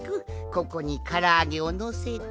ここにからあげをのせて。